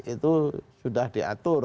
itu sudah diatur